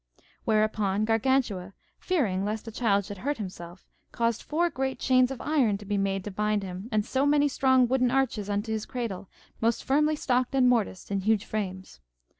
Whereupon Gargantua, fearing lest the child should hurt himself, caused four great chains of iron to be made to bind him, and so many strong wooden arches unto his cradle, most firmly stocked and morticed in huge frames.